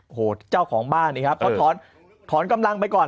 โอ้โหเจ้าของบ้านนี่ครับเขาถอนถอนกำลังไปก่อน